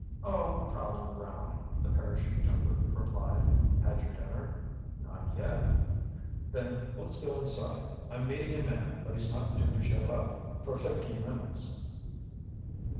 "Oh, prowling around," the parachute jumper replied. "Had your dinner?" "Not yet." "Then let's go inside. I'm meeting a man, but he's not due to show up for fifteen minutes."